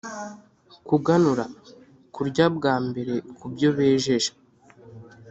kuganura: kurya bwa mbere ku byo bejeje...